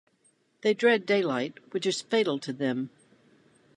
They dread daylight, which is fatal to them.